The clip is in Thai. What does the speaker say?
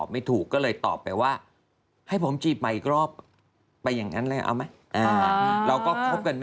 มันจะทำให้ยุ่งยากวุ่นวาย